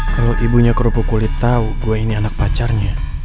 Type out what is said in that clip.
kalau ibunya kerupuk kulit tahu gue ini anak pacarnya